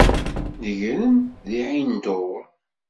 Negren di Ɛin Dur.